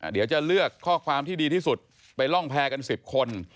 เดี๋ยวจะเลือกข้อความที่ดีที่สุดไปร่องแพร่กัน๑๐คน